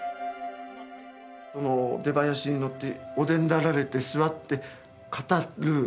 出囃子にのってお出になられて座って語る。